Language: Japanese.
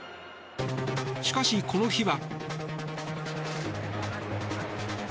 しかし、この日は。